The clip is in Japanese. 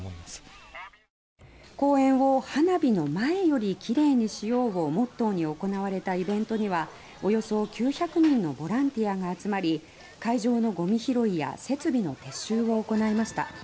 公演を花火の前より綺麗にしようモットーに行われたイベントにはおよそ９００人のボランティアが集まり会場のゴミ拾いや設備の結集を行いました。